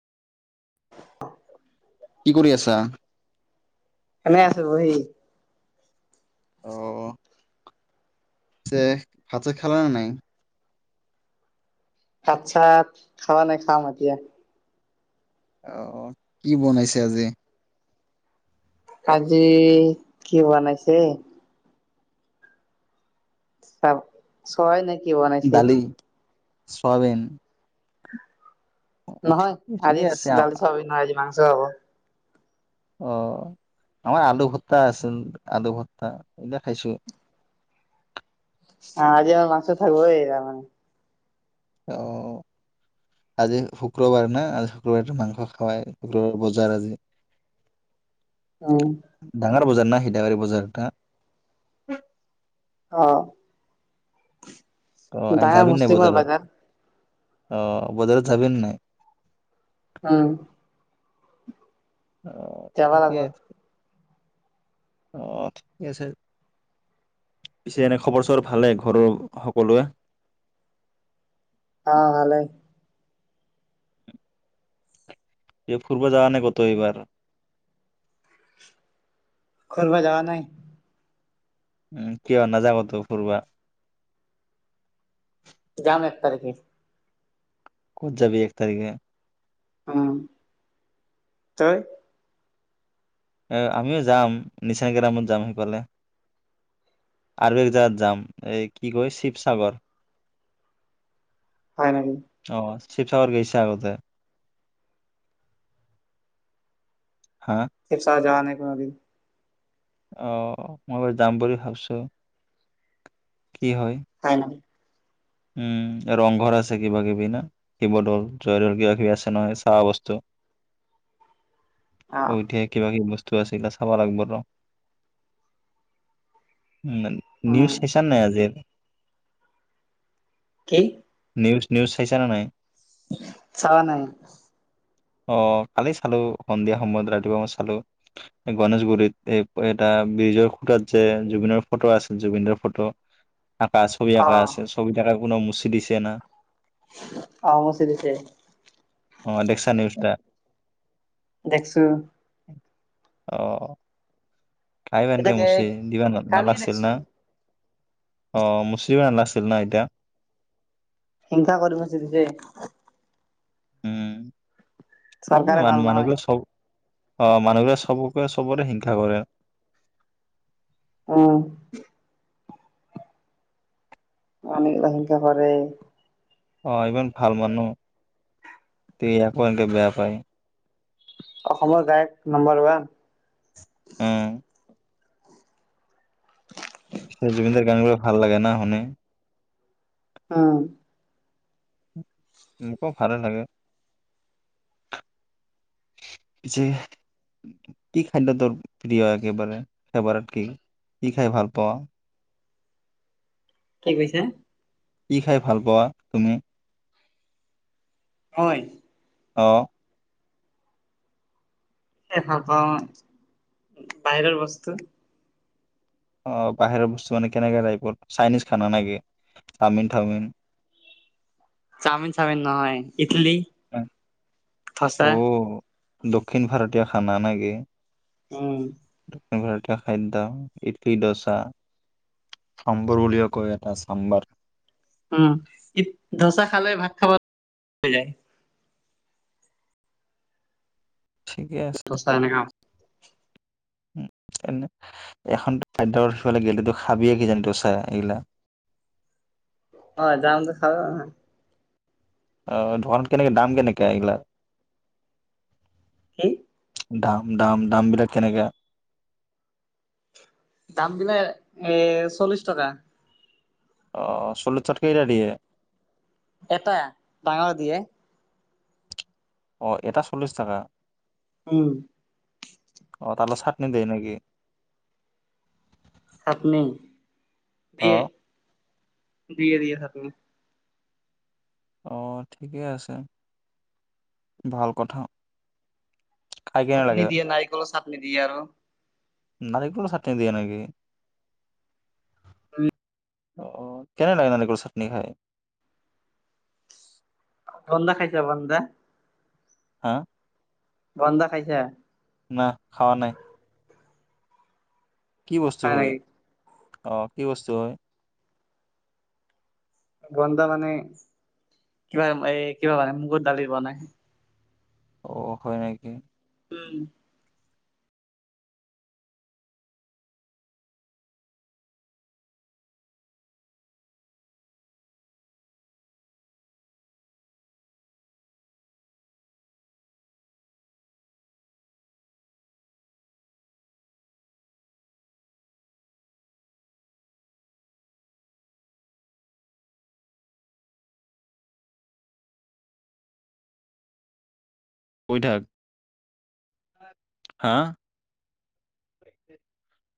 কি কৰি আছা? এনে আছো বহি। পিছে ভাত -ছাত খালানে নাই? ভাত -চাত খোৱা নাই, খাম এতিয়া। অঁ, কি বনাইছা আজি? আজি কি বনাইছে? [unintelligible] চয়া নে কি বনাই- দালি, চোৱাৱিন। নহয়, আজি অ'। ডালি চব্জি নহয় আজি মাংস হব। অঁ। আমাৰ আলু ভত্তা আছিল, আলু ভত্তা এতিয়া খাইছোঁ। আ আজি আমাৰ মাংস থাকিব এই তাৰমানে। অঁ। আজি শুক্ৰবাৰ না, আজি শুক্ৰবাৰ মাংস খাৱাই বজাৰ আজি। [inaudible] অঁ। ডাঙৰ বজাৰ না সিধাবাৰী বজাৰটা। অঁ, অ', আই ডাঙাৰ মুছলিমৰ বজাৰ। অঁ, বজাৰত যাবি নে নাই? উম। অঁ, যাব লাগব ঠিকে। অঁ, ঠিক আছে। পিছে এনে খবৰ -চবৰ ভালে ঘৰৰ সকলোৱে? অঁ, ভালে। এই ফুৰিব যোৱা নাই কতো এইবাৰ? ঘূৰিব যোৱা নাই। উম, কিয় নাযাব কতো ফূৰবা? যাম এক তাৰিখে। ক'ত যাবি এক তাৰিখে? উম, তই? এ আমিও যাম, নিছানগ্ৰামত যাম সেইফালে। আৰু একজাগাত যাম, এই কি কয়? শিৱসাগৰ। [inaudible] হয় নেকি? অঁ, শিৱসাগৰ গৈছা আগতে? হা? শিৱসাগৰ যোৱা নাই কোনোদিন। অঁ, মই বাৰু যাম বুলি ভাবিছো, কি হয়! হয় না। উম, ৰংঘৰ আছে কিবা কিবি না? শিৱদৌল, জয়দৌল কিবা কিবি আছে নহয় চাৱা বস্তু। অ আৰু ধেৰ কিবা কিবি বস্তু- টো আছে চাবা লাগবো ৰ, উম। উম নিউজ চাইছা নাই আজিৰ? কি? নিউজ- নিউজ চাইছা নে নাই? চোৱা নাই। অঁ, কালি চালো সন্ধিয়া সময়ত ৰাতিপুৱা মই চালোঁ। গণেশগুৰিত এই এটা ব্ৰিজৰ খুতাত যে জুবিনৰ ফটো আছিল, জুবিনৰ ফটো- আঁকা ছবি অ আঁকা আছে, ছবি আঁকা কোনো মুচি দিছে না। অঁ, মচি দিছে। অ দেখছা নিউজটা দেখছো। অঁ, খাইবা এনকে এতিয়া মুচি দিবা কালি নালাগিছিল দেখছো না। অঁ, মুচিব নালাগিছিল ন এতিয়া। হিংসা কৰিব ম চিতি যে। উম, চৰকাৰে ভাল মানুহ নহয় -মানুহবিলাক চব- অঁ, মানুহবোৰে চবকে চবতে হিংসা কৰে। অঁ। অঁ, হিংসা কৰে। অঁ, ইমান ভাল মানুহ তে একো এক বেয়া পায়। অসমৰ গায়ক নম্বৰ ওৱান। উম জুবিনদাৰ গানবোৰ ভাল লাগে ন শুনি। উম। মোকো ভালে লাগে। যে- কি খাদ্য তোৰ প্ৰিয় একেবাৰে, ফেভাৰত কি, কি খাই ভাল পোৱা? কি কৈছা? কি খাই ভাল পোৱা তুমি? মই! অঁ। এ ভাল পাওঁ বাহিৰৰ বস্তু। অঁ, বাহিৰৰ বস্তু মানে কেনেককা টাইপৰ, চাইনিজ খানা না কি চাওমিন -থাওমিন? চাওমিন- চাওমিন নহয়, ইটলি। অঁ, দক্ষিণ ভাৰতীয় খানা নেকি? উম। দক্ষিণ ভাৰতীয় খাদ্য ইডলি, ডচা। চাম্বৰ বুলিও কয় এটা চাম্বাৰ। উম, ই ডচা খালে ভাত খাব যায়। ঠিকে আছে। ডচা এনেকা। উম, এখন খাদ্যত সিফালে গ'লে তই খাবিয়ে কিজানি ডচা এইগিলা। অঁ, যামটো খাব। অঁ, ধন কেনেকে, দাম কেনেকে এইগিলা? কি? দাম- দাম -দাম বিলাক কেনেকা? দাম বিলাক এ চল্লিছ টকা। অঁ চল্লিছ চত কেইটা দিয়ে? এটা ডাঙৰ দিয়ে। অঁ, এটা চল্লিছ টকা। উম। অঁ, তাৰ লগত চাটনি দিয়ে নেকি? চাটনি দিয়ে, অ', দিয়ে দিয়ে চাটনি। অঁ, ঠিকে আছে, ভাল কথা। খাই কেনে চাটনি লাগে দিয়ে, নাৰিকলৰ চাটনি দিয়ে আৰু। নাৰিকলৰ চাটনি দিয়ে নেকি? অঁ, কেনে লাগে নো ক চাটনি খায়? ভণ্ডা খাইছ ভণ্ডা? হা? ভণ্ডা খাইছা? না, খোৱা নাই। কি বস্তু হয় অ', কি বস্তু হয়? গন্ধা মানে কিবা এ কিবা বানে মুগত দালি বনাই। অ', হয় নেকি। উম। শুই থাক হা।